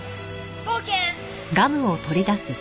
冒険。